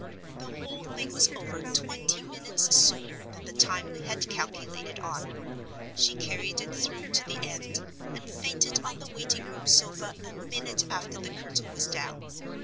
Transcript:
The whole thing was over twenty minutes sooner than the time we had calculated on. She carried it through to the end, and fainted on the waiting room sofa a minute after the curtain was down.